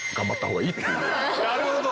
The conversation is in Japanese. なるほど！